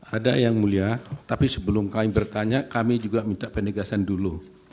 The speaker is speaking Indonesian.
ada yang mulia tapi sebelum kami bertanya kami juga minta penegasan dulu